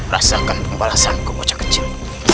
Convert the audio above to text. rasakan pembalasan kebocah kecil